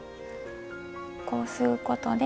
こうすることで。